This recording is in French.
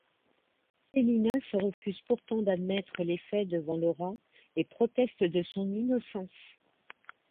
Selina se refuse pourtant d'admettre les faits devant Laura et proteste de son innocence.